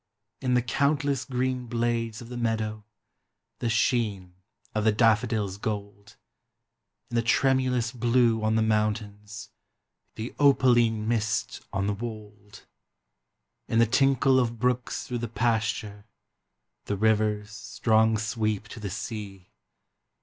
In the countless green blades of the meadow. The sheen of the daffodil's gold, In the tremulous blue on the mountains, The opaline mist on the wold. In the tinkle of brooks through the pasture, The river's strong sweep to the sea.